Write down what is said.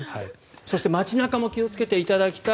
そして、街中も気をつけていただきたい。